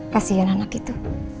kasian anak itu